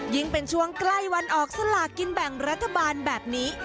เป็นช่วงใกล้วันออกสลากินแบ่งรัฐบาลแบบนี้